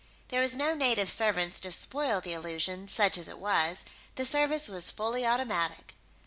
There were no native servants to spoil the illusion, such as it was: the service was fully automatic.